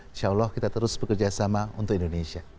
insya allah kita terus bekerja sama untuk indonesia